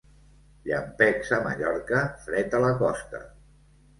Llampecs a Mallorca, fred a la costa.